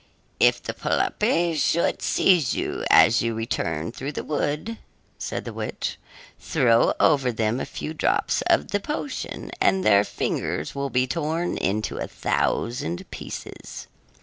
"If the polypi should seize you as you return through the wood," said the witch, "throw over them a few drops of the potion, and their fingers will be torn into a thousand pieces."